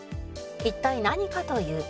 「一体何かというと」